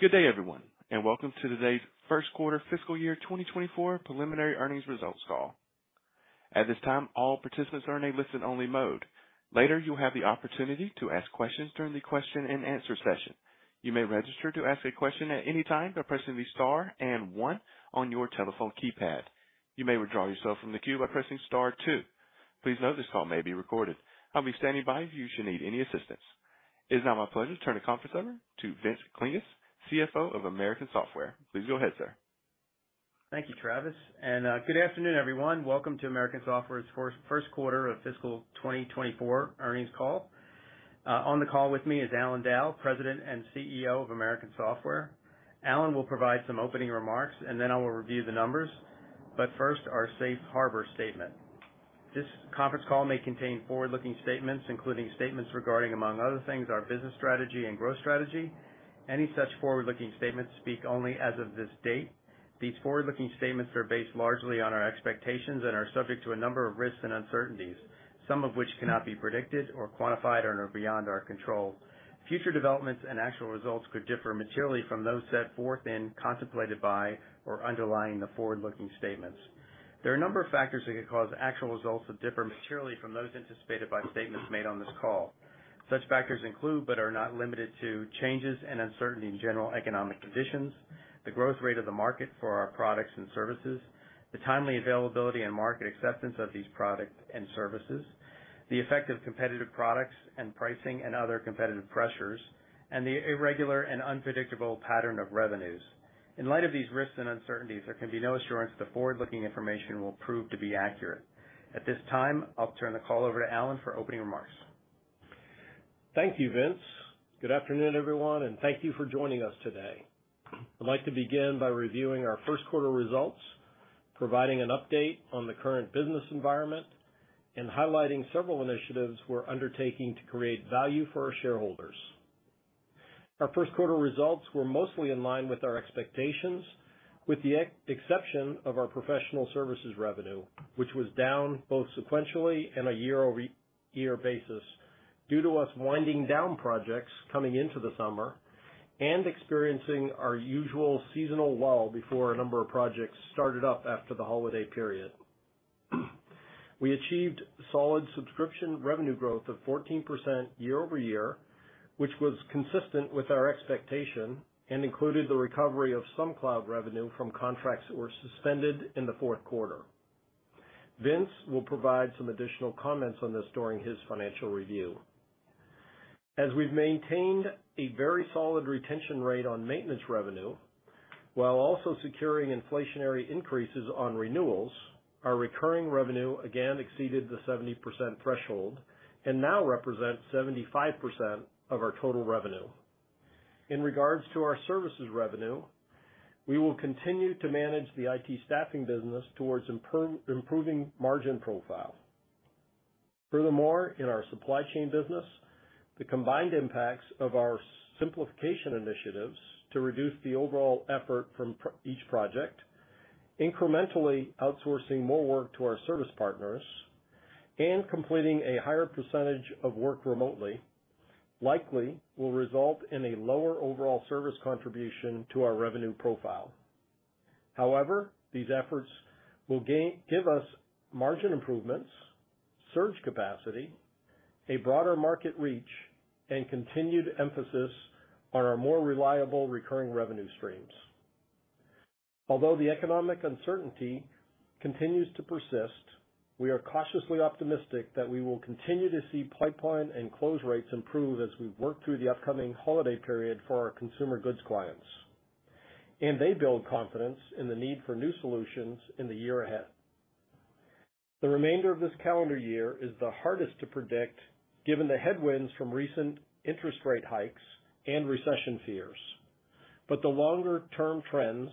Good day, everyone, and welcome to today's first quarter fiscal year 2024 preliminary earnings results call. At this time, all participants are in a listen-only mode. Later, you'll have the opportunity to ask questions during the question and answer session. You may register to ask a question at any time by pressing the star and one on your telephone keypad. You may withdraw yourself from the queue by pressing star two. Please note this call may be recorded. I'll be standing by if you should need any assistance. It is now my pleasure to turn the conference over to Vince Klinges, CFO of American Software. Please go ahead, sir. Thank you, Travis, and good afternoon, everyone. Welcome to American Software's first quarter of fiscal 2024 earnings call. On the call with me is Allan Dow, President and CEO of American Software. Allan will provide some opening remarks, and then I will review the numbers, but first, our safe harbor statement. This conference call may contain forward-looking statements, including statements regarding, among other things, our business strategy and growth strategy. Any such forward-looking statements speak only as of this date. These forward-looking statements are based largely on our expectations and are subject to a number of risks and uncertainties, some of which cannot be predicted or quantified and are beyond our control. Future developments and actual results could differ materially from those set forth in, contemplated by, or underlying the forward-looking statements. There are a number of factors that could cause actual results to differ materially from those anticipated by the statements made on this call. Such factors include, but are not limited to, changes and uncertainty in general economic conditions, the growth rate of the market for our products and services, the timely availability and market acceptance of these products and services, the effect of competitive products and pricing and other competitive pressures, and the irregular and unpredictable pattern of revenues. In light of these risks and uncertainties, there can be no assurance the forward-looking information will prove to be accurate. At this time, I'll turn the call over to Allan for opening remarks. Thank you, Vince. Good afternoon, everyone, and thank you for joining us today. I'd like to begin by reviewing our first quarter results, providing an update on the current business environment, and highlighting several initiatives we're undertaking to create value for our shareholders. Our first quarter results were mostly in line with our expectations, with the exception of our professional services revenue, which was down both sequentially and on a year-over-year basis due to us winding down projects coming into the summer and experiencing our usual seasonal lull before a number of projects started up after the holiday period. We achieved solid subscription revenue growth of 14% year-over-year, which was consistent with our expectation and included the recovery of some cloud revenue from contracts that were suspended in the fourth quarter. Vince will provide some additional comments on this during his financial review. As we've maintained a very solid retention rate on maintenance revenue, while also securing inflationary increases on renewals, our recurring revenue again exceeded the 70% threshold and now represents 75% of our total revenue. In regards to our services revenue, we will continue to manage the IT staffing business towards improving margin profile. Furthermore, in our supply chain business, the combined impacts of our simplification initiatives to reduce the overall effort from each project, incrementally outsourcing more work to our service partners, and completing a higher percentage of work remotely, likely will result in a lower overall service contribution to our revenue profile. However, these efforts will give us margin improvements, surge capacity, a broader market reach, and continued emphasis on our more reliable recurring revenue streams. Although the economic uncertainty continues to persist, we are cautiously optimistic that we will continue to see pipeline and close rates improve as we work through the upcoming holiday period for our consumer goods clients, and they build confidence in the need for new solutions in the year ahead. The remainder of this calendar year is the hardest to predict, given the headwinds from recent interest rate hikes and recession fears. The longer-term trends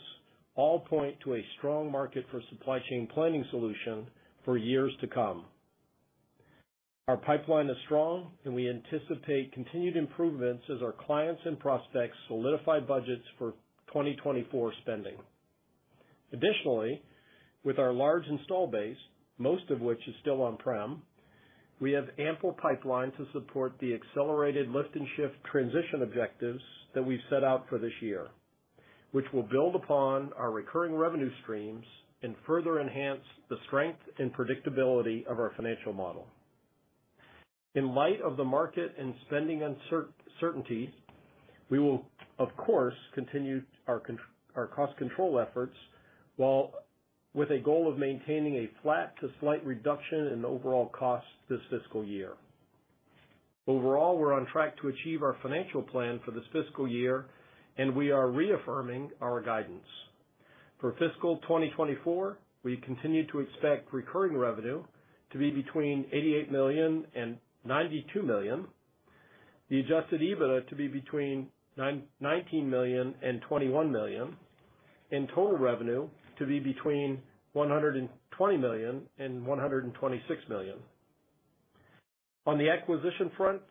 all point to a strong market for supply chain planning solution for years to come. Our pipeline is strong, and we anticipate continued improvements as our clients and prospects solidify budgets for 2024 spending. Additionally, with our large install base, most of which is still on-prem, we have ample pipeline to support the accelerated lift and shift transition objectives that we've set out for this year, which will build upon our recurring revenue streams and further enhance the strength and predictability of our financial model. In light of the market and spending uncertainties, we will, of course, continue our cost control efforts, while with a goal of maintaining a flat to slight reduction in overall costs this fiscal year. Overall, we're on track to achieve our financial plan for this fiscal year, and we are reaffirming our guidance. For fiscal 2024, we continue to expect recurring revenue to be between $88 million and $92 million, the adjusted EBITDA to be between $19 million and $21 million, and total revenue to be between $120 million and $126 million. On the acquisition front,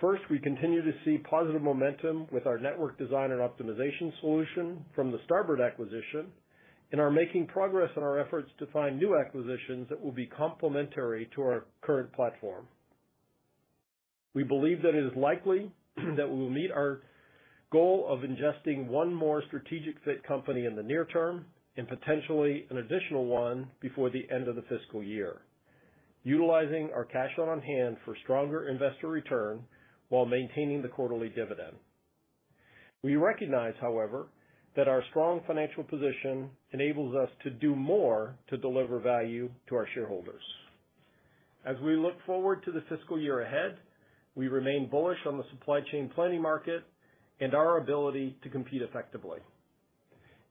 first, we continue to see positive momentum with our network design and optimization solution from the Starboard acquisition... and are making progress in our efforts to find new acquisitions that will be complementary to our current platform. We believe that it is likely that we will meet our goal of ingesting one more strategic fit company in the near term and potentially an additional one before the end of the fiscal year, utilizing our cash on hand for stronger investor return while maintaining the quarterly dividend. We recognize, however, that our strong financial position enables us to do more to deliver value to our shareholders. As we look forward to the fiscal year ahead, we remain bullish on the supply chain planning market and our ability to compete effectively.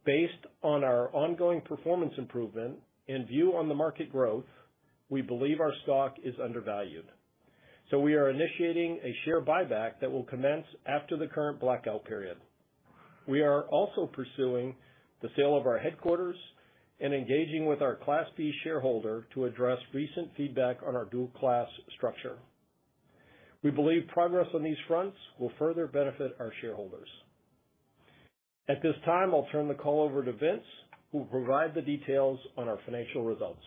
Based on our ongoing performance improvement and view on the market growth, we believe our stock is undervalued, so we are initiating a share buyback that will commence after the current blackout period. We are also pursuing the sale of our headquarters and engaging with our Class B shareholder to address recent feedback on our dual-class structure. We believe progress on these fronts will further benefit our shareholders. At this time, I'll turn the call over to Vince, who will provide the details on our financial results.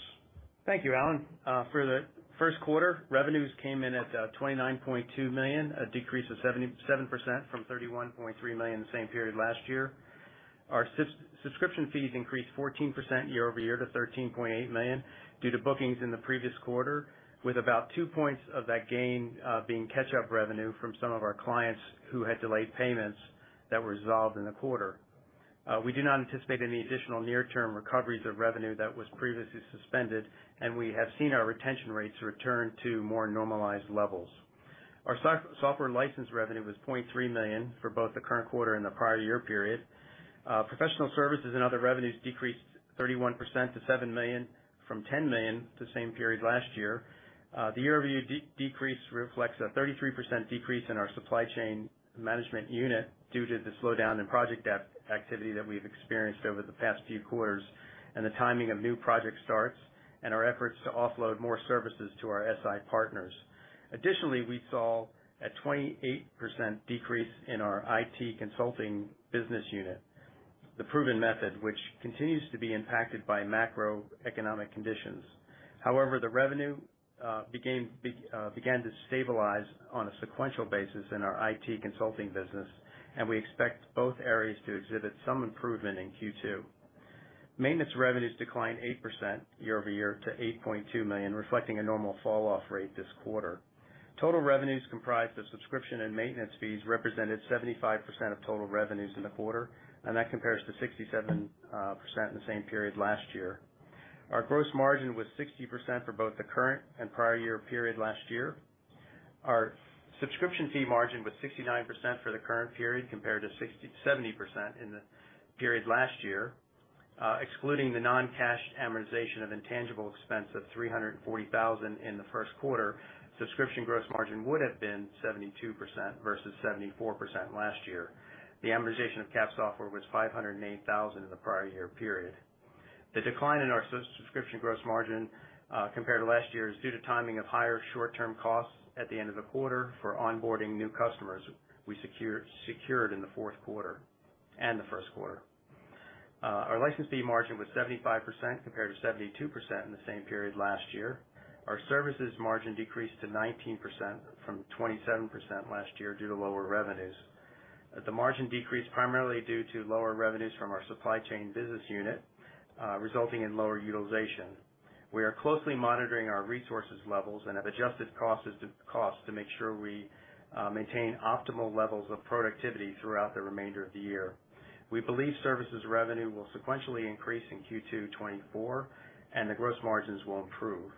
Thank you, Allan. For the first quarter, revenues came in at $29.2 million, a decrease of 77% from $31.3 million the same period last year. Our subscription fees increased 14% year over year to $13.8 million due to bookings in the previous quarter, with about 2 points of that gain being catch-up revenue from some of our clients who had delayed payments that were resolved in the quarter. We do not anticipate any additional near-term recoveries of revenue that was previously suspended, and we have seen our retention rates return to more normalized levels. Our software license revenue was $0.3 million for both the current quarter and the prior year period. Professional services and other revenues decreased 31% to $7 million from $10 million the same period last year. The year-over-year decrease reflects a 33% decrease in our supply chain management unit due to the slowdown in project deployment activity that we've experienced over the past few quarters, and the timing of new project starts, and our efforts to offload more services to our SI partners. Additionally, we saw a 28% decrease in our IT consulting business unit, The Proven Method, which continues to be impacted by macroeconomic conditions. However, the revenue began to stabilize on a sequential basis in our IT consulting business, and we expect both areas to exhibit some improvement in Q2. Maintenance revenues declined 8% year-over-year to $8.2 million, reflecting a normal falloff rate this quarter. Total revenues comprised of subscription and maintenance fees represented 75% of total revenues in the quarter, and that compares to 67% in the same period last year. Our gross margin was 60% for both the current and prior year period last year. Our subscription fee margin was 69% for the current period, compared to 67% in the period last year. Excluding the non-cash amortization of intangible expense of $340,000 in the first quarter, subscription gross margin would have been 72% versus 74% last year. The amortization of capitalized software was $508,000 in the prior year period. The decline in our subscription gross margin compared to last year is due to timing of higher short-term costs at the end of the quarter for onboarding new customers we secured in the fourth quarter and the first quarter. Our license fee margin was 75%, compared to 72% in the same period last year. Our services margin decreased to 19% from 27% last year due to lower revenues. The margin decreased primarily due to lower revenues from our supply chain business unit, resulting in lower utilization. We are closely monitoring our resources levels and have adjusted costs to make sure we maintain optimal levels of productivity throughout the remainder of the year. We believe services revenue will sequentially increase in Q2 2024, and the gross margins will improve.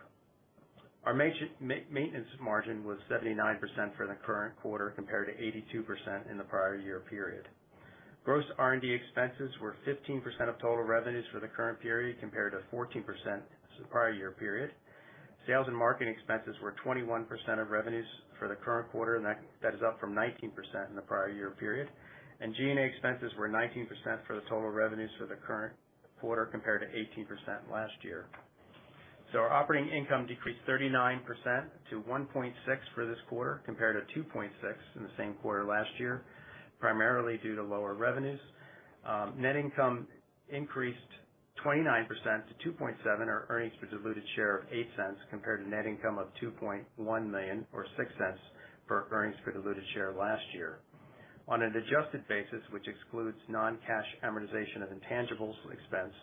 Our maintenance margin was 79% for the current quarter, compared to 82% in the prior year period. Gross R&D expenses were 15% of total revenues for the current period, compared to 14% the prior year period. Sales and marketing expenses were 21% of revenues for the current quarter, and that is up from 19% in the prior year period. G&A expenses were 19% for the total revenues for the current quarter, compared to 18% last year. Our operating income decreased 39% to $1.6 for this quarter, compared to $2.6 in the same quarter last year, primarily due to lower revenues. Net income increased 29% to $2.7 million, or earnings per diluted share of $0.08, compared to net income of $2.1 million, or $0.06 per earnings per diluted share last year. On an adjusted basis, which excludes non-cash amortization of intangibles expense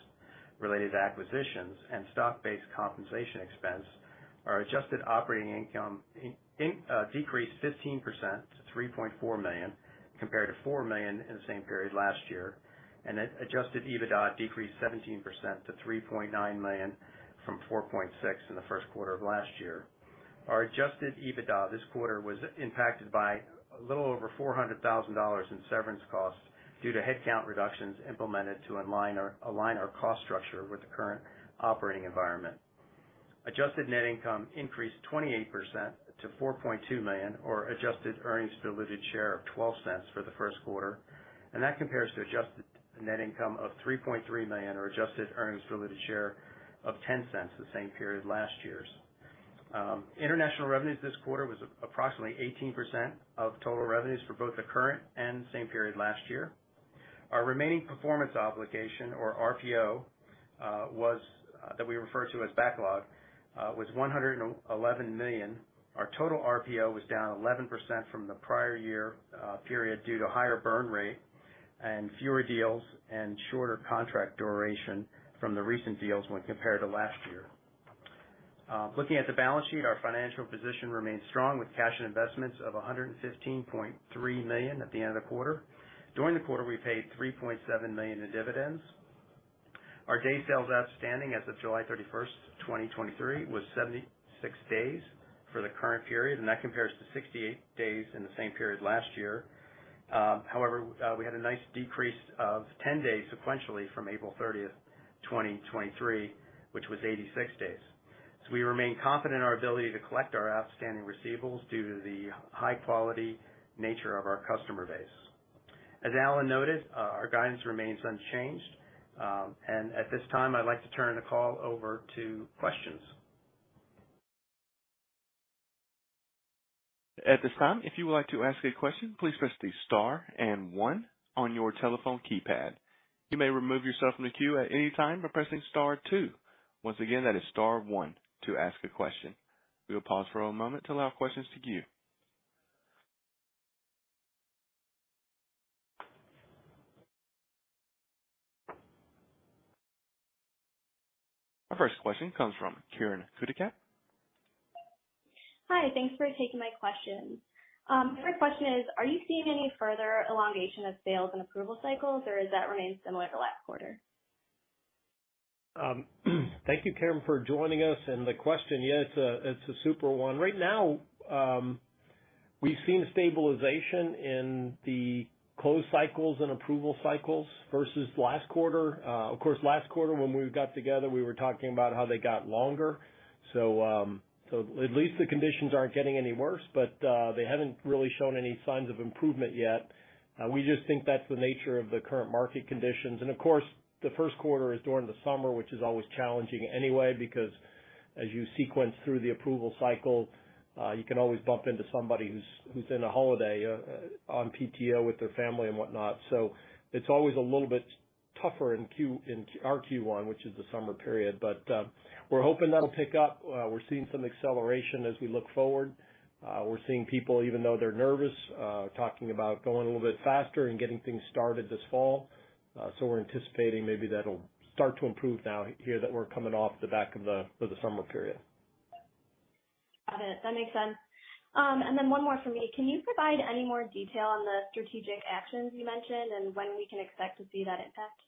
related to acquisitions and stock-based compensation expense, our adjusted operating income decreased 15% to $3.4 million, compared to $4 million in the same period last year, and adjusted EBITDA decreased 17% to $3.9 million from $4.6 million in the first quarter of last year. Our adjusted EBITDA this quarter was impacted by a little over $400,000 in severance costs due to headcount reductions implemented to align our cost structure with the current operating environment. Adjusted net income increased 28% to $4.2 million, or adjusted earnings per diluted share of $0.12 for the first quarter, and that compares to adjusted net income of $3.3 million, or adjusted earnings per diluted share of $0.10 the same period last year.... international revenues this quarter was approximately 18% of total revenues for both the current and same period last year. Our remaining performance obligation, or RPO, was, that we refer to as backlog, was $111 million. Our total RPO was down 11% from the prior year, period due to higher burn rate and fewer deals and shorter contract duration from the recent deals when compared to last year. Looking at the balance sheet, our financial position remains strong with cash and investments of $115.3 million at the end of the quarter. During the quarter, we paid $3.7 million in dividends. Our day sales outstanding as of July 31st, 2023, was 76 days for the current period, and that compares to 68 days in the same period last year. However, we had a nice decrease of 10 days sequentially from April 30th, 2023, which was 86 days. So we remain confident in our ability to collect our outstanding receivables due to the high quality nature of our customer base. As Allan noted, our guidance remains unchanged. At this time, I'd like to turn the call over to questions. At this time, if you would like to ask a question, please press the star and one on your telephone keypad. You may remove yourself from the queue at any time by pressing star two. Once again, that is star one to ask a question. We will pause for a moment to allow questions to queue. Our first question comes from Kiran Kudikot. Hi, thanks for taking my question. My first question is, are you seeing any further elongation of sales and approval cycles, or does that remain similar to last quarter? Thank you, Kiran, for joining us. The question, yes, it's a super one. Right now, we've seen stabilization in the close cycles and approval cycles versus last quarter. Of course, last quarter when we got together, we were talking about how they got longer. So, so at least the conditions aren't getting any worse, but, they haven't really shown any signs of improvement yet. We just think that's the nature of the current market conditions. And of course, the first quarter is during the summer, which is always challenging anyway, because as you sequence through the approval cycle, you can always bump into somebody who's in a holiday on PTO with their family and whatnot. So it's always a little bit tougher in our Q1, which is the summer period. But, we're hoping that'll pick up. We're seeing some acceleration as we look forward. We're seeing people, even though they're nervous, talking about going a little bit faster and getting things started this fall. So we're anticipating maybe that'll start to improve now here that we're coming off the back of the, for the summer period. Got it. That makes sense. And then one more from me. Can you provide any more detail on the strategic actions you mentioned and when we can expect to see that impact?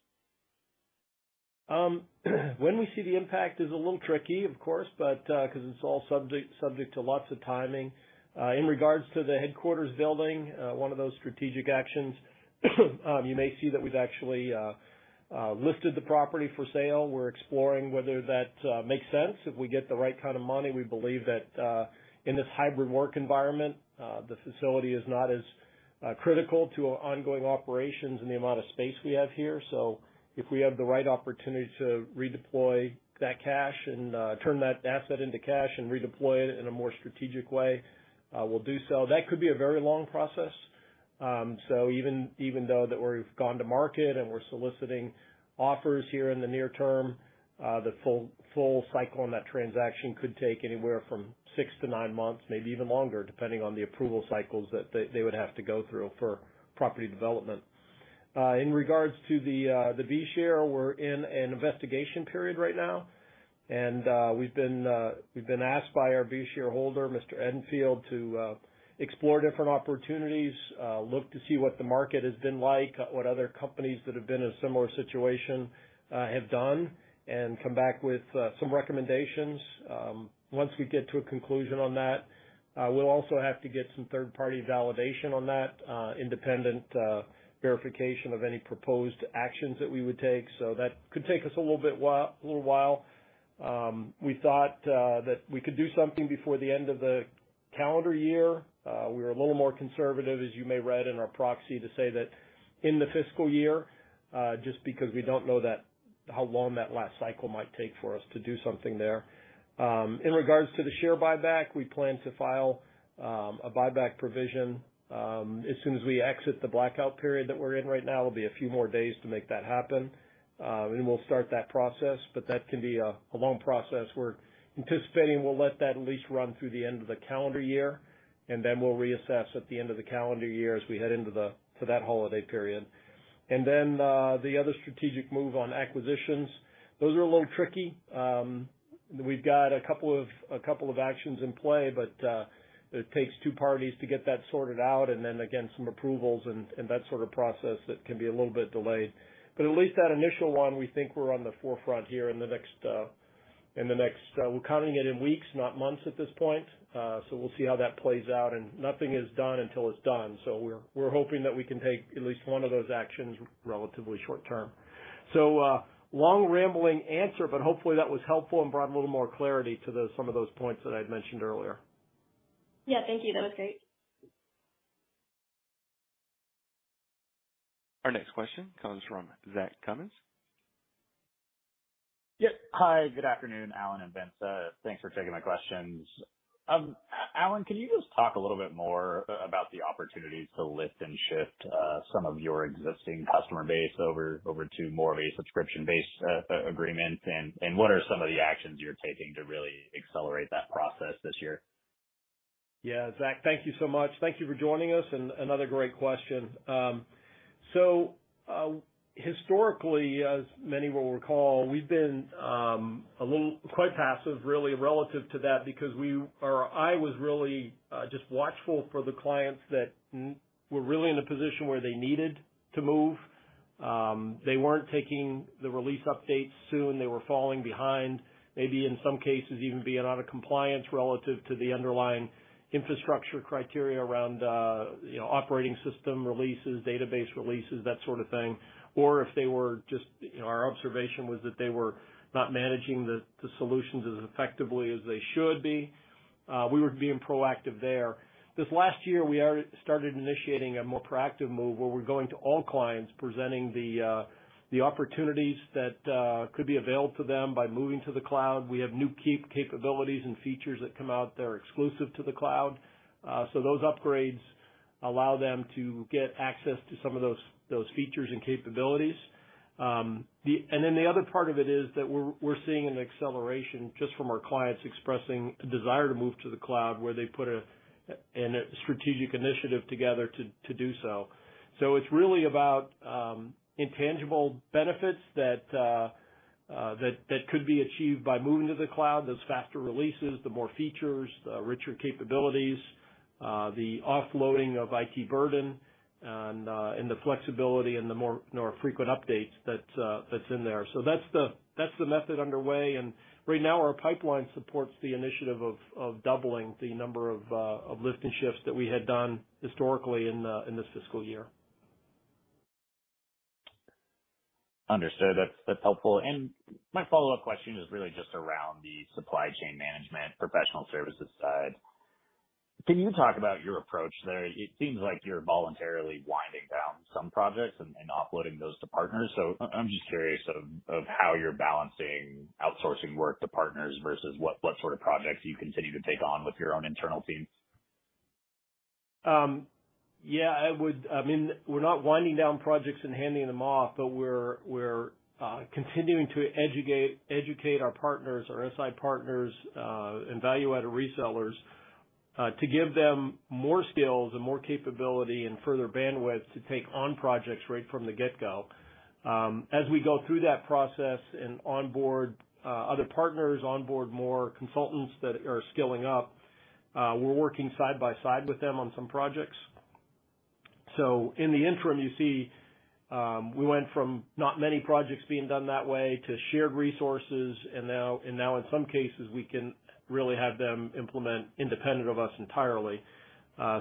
When we see the impact is a little tricky, of course, but 'cause it's all subject to lots of timing. In regards to the headquarters building, one of those strategic actions, you may see that we've actually listed the property for sale. We're exploring whether that makes sense. If we get the right kind of money, we believe that, in this hybrid work environment, the facility is not as critical to our ongoing operations and the amount of space we have here. So if we have the right opportunity to redeploy that cash and turn that asset into cash and redeploy it in a more strategic way, we'll do so. That could be a very long process. So even though we've gone to market and we're soliciting offers here in the near term, the full cycle on that transaction could take anywhere from 6-9 months, maybe even longer, depending on the approval cycles that they would have to go through for property development. In regards to the B share, we're in an investigation period right now, and we've been asked by our B share holder, Mr. Edenfield, to explore different opportunities, look to see what the market has been like, what other companies that have been in a similar situation have done, and come back with some recommendations. Once we get to a conclusion on that, we'll also have to get some third-party validation on that, independent verification of any proposed actions that we would take. So that could take us a little bit a little while. We thought that we could do something before the end of the calendar year. We were a little more conservative, as you may read in our proxy, to say that in the fiscal year, just because we don't know how long that last cycle might take for us to do something there. In regards to the share buyback, we plan to file a buyback provision as soon as we exit the blackout period that we're in right now. It'll be a few more days to make that happen, and then we'll start that process, but that can be a long process. We're anticipating we'll let that at least run through the end of the calendar year, and then we'll reassess at the end of the calendar year as we head into to that holiday period. And then, the other strategic move on acquisitions, those are a little tricky. We've got a couple of actions in play, but it takes two parties to get that sorted out and then again, some approvals and that sort of process that can be a little bit delayed. But at least that initial one, we think we're on the forefront here in the next, we're counting it in weeks, not months at this point. So we'll see how that plays out, and nothing is done until it's done. So we're hoping that we can take at least one of those actions relatively short term. So, long, rambling answer, but hopefully that was helpful and brought a little more clarity to those, some of those points that I'd mentioned earlier. Yeah, thank you. That was great. Our next question comes from Zach Cummins. Yep. Hi, good afternoon, Allan and Vince. Thanks for taking my questions. Allan, can you just talk a little bit more about the opportunities to lift and shift some of your existing customer base over to more of a subscription-based agreement? And what are some of the actions you're taking to really accelerate that process this year? Yeah, Zach, thank you so much. Thank you for joining us and another great question. So, historically, as many will recall, we've been a little... quite passive, really, relative to that because we or I was really just watchful for the clients that were really in a position where they needed to move. They weren't taking the release updates soon. They were falling behind, maybe in some cases even being out of compliance relative to the underlying infrastructure criteria around, you know, operating system releases, database releases, that sort of thing. Or if they were just, you know, our observation was that they were not managing the solutions as effectively as they should be, we were being proactive there. This last year, we already started initiating a more proactive move, where we're going to all clients presenting the opportunities that could be available to them by moving to the cloud. We have new capabilities and features that come out that are exclusive to the cloud. So those upgrades allow them to get access to some of those features and capabilities. And then the other part of it is that we're seeing an acceleration just from our clients expressing a desire to move to the cloud, where they put a strategic initiative together to do so. So it's really about intangible benefits that could be achieved by moving to the cloud. Those faster releases, the more features, the richer capabilities, the offloading of IT burden and the flexibility and the more frequent updates that that's in there. So that's the method underway. And right now, our pipeline supports the initiative of doubling the number of lift and shifts that we had done historically in this fiscal year. Understood. That's helpful. My follow-up question is really just around the supply chain management professional services side. Can you talk about your approach there? It seems like you're voluntarily winding down some projects and offloading those to partners. So I'm just curious of how you're balancing outsourcing work to partners versus what sort of projects you continue to take on with your own internal teams. Yeah, I would... I mean, we're not winding down projects and handing them off, but we're continuing to educate our partners, our SI partners, and value-added resellers to give them more skills and more capability and further bandwidth to take on projects right from the get-go. As we go through that process and onboard other partners, onboard more consultants that are skilling up, we're working side by side with them on some projects. So in the interim, you see, we went from not many projects being done that way to shared resources, and now in some cases, we can really have them implement independent of us entirely.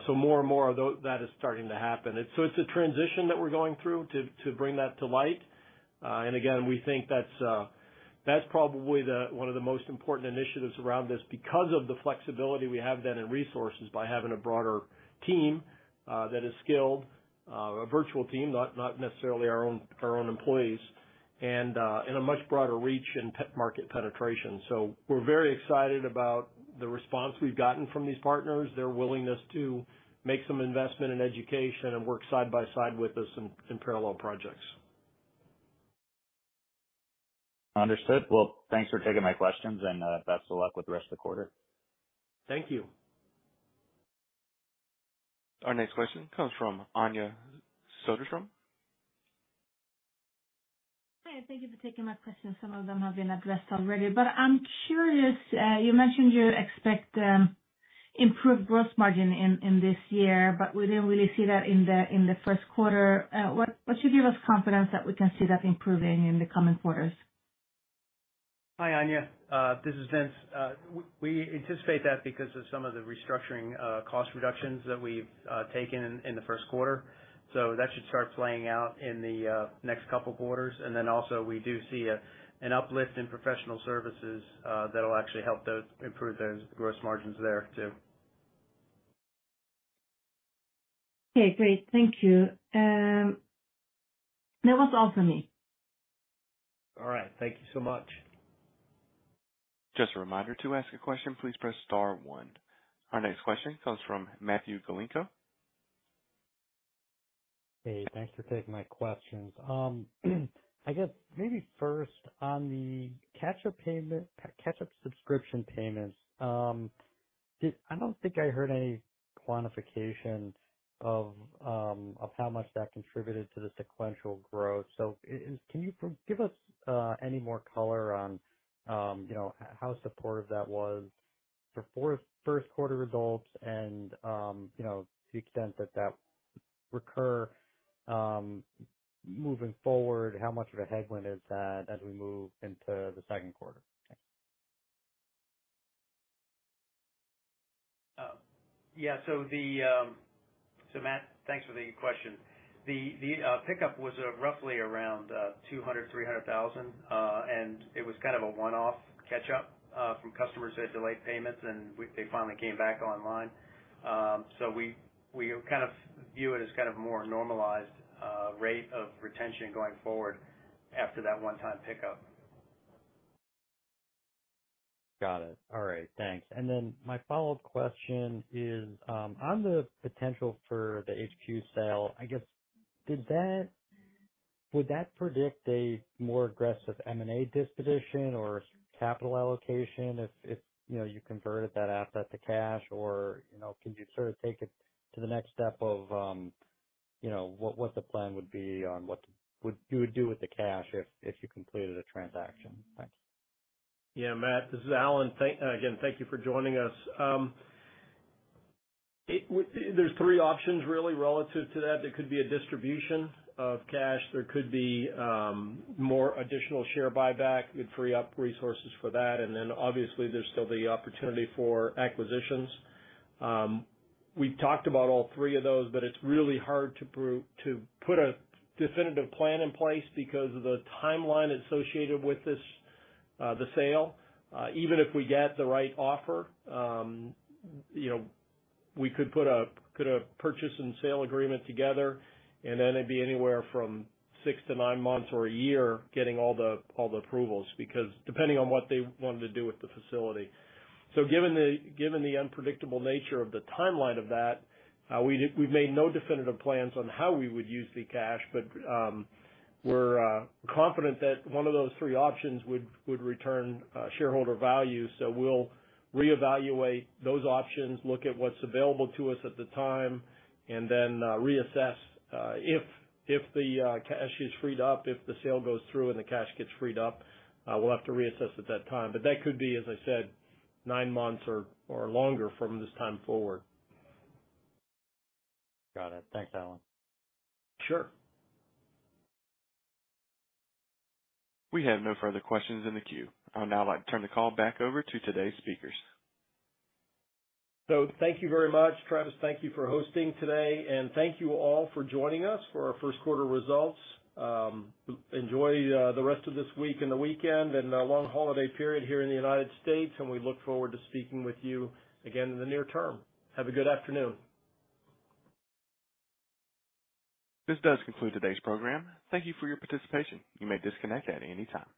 So more and more of that is starting to happen. It's a transition that we're going through to bring that to light. And again, we think that's, that's probably the one of the most important initiatives around this because of the flexibility we have then in resources by having a broader team that is skilled, a virtual team, not necessarily our own employees, and a much broader reach in market penetration. So we're very excited about the response we've gotten from these partners, their willingness to make some investment in education and work side by side with us in parallel projects. Understood. Well, thanks for taking my questions and, best of luck with the rest of the quarter. Thank you. Our next question comes from Anja Soderstrom. Hi, thank you for taking my questions. Some of them have been addressed already, but I'm curious, you mentioned you expect improved gross margin in this year, but we didn't really see that in the first quarter. What should give us confidence that we can see that improving in the coming quarters? Hi, Anja, this is Vince. We anticipate that because of some of the restructuring, cost reductions that we've taken in the first quarter. So that should start playing out in the next couple quarters. And then also we do see an uplift in professional services, that'll actually help those improve those gross margins there, too. Okay, great. Thank you. That was all for me. All right. Thank you so much. Just a reminder, to ask a question, please press star one. Our next question comes from Matthew Galinko. Hey, thanks for taking my questions. I guess maybe first, on the catch-up payment, catch-up subscription payments, I don't think I heard any quantification of how much that contributed to the sequential growth. So, can you provide us any more color on, you know, how supportive that was for the first quarter results and, you know, the extent that that recurs moving forward, how much of a headwind is that as we move into the second quarter? Thanks. Yeah. So Matt, thanks for the question. The pickup was roughly around $200,000-$300,000, and it was kind of a one-off catch-up from customers that had delayed payments, and they finally came back online. So we kind of view it as kind of a more normalized rate of retention going forward after that one-time pickup.... Got it. All right, thanks. And then my follow-up question is on the potential for the HQ sale, I guess, would that predict a more aggressive M&A disposition or capital allocation if, you know, you converted that asset to cash? Or, you know, can you sort of take it to the next step of, you know, what the plan would be on what you would do with the cash if you completed a transaction? Thanks. Yeah, Matt, this is Allan. That again, thank you for joining us. There's three options really relative to that. There could be a distribution of cash, there could be more additional share buyback. It'd free up resources for that, and then obviously there's still the opportunity for acquisitions. We've talked about all three of those, but it's really hard to put a definitive plan in place because of the timeline associated with this, the sale. Even if we get the right offer, you know, we could put a purchase and sale agreement together, and then it'd be anywhere from six to nine months or a year, getting all the approvals, because depending on what they wanted to do with the facility. So given the unpredictable nature of the timeline of that, we've made no definitive plans on how we would use the cash, but we're confident that one of those three options would return shareholder value. So we'll reevaluate those options, look at what's available to us at the time, and then reassess if the cash is freed up, if the sale goes through and the cash gets freed up, we'll have to reassess at that time. But that could be, as I said, nine months or longer from this time forward. Got it. Thanks, Allan. Sure. We have no further questions in the queue. I would now like to turn the call back over to today's speakers. So thank you very much. Travis, thank you for hosting today, and thank you all for joining us for our first quarter results. Enjoy the rest of this week and the weekend, and long holiday period here in the United States, and we look forward to speaking with you again in the near term. Have a good afternoon. This does conclude today's program. Thank you for your participation. You may disconnect at any time.